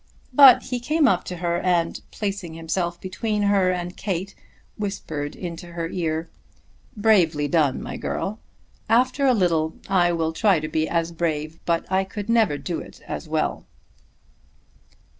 But he came up to her, and placing himself between her and Kate, whispered into her ear, "Bravely done, my girl. After a little I will try to be as brave, but I could never do it as well."